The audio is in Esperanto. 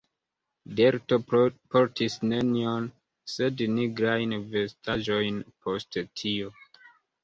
Delto portis nenion sed nigrajn vestaĵojn post tio.